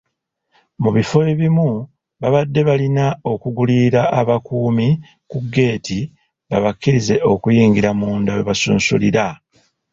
Mu bifo ebimu babadde balina okugulirira abakuumi ku ggeeti babakkirize okuyingira munda we basunsulira.